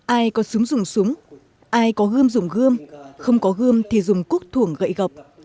ai có súng dùng súng ai có gươm dùng gươm không có gươm thì dùng quốc thủng gậy gọp